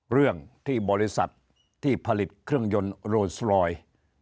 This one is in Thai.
เรื่องที่บริษัทที่ผลิตเครื่องยนต์โรยสรอย